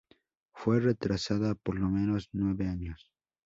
Fue retrasada por lo menos nueve años.